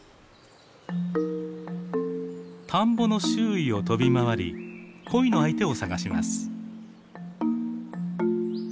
田んぼの周囲を飛び回り恋の相手を探します。